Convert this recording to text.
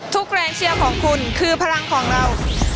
แรงเชียร์ของคุณคือพลังของเรา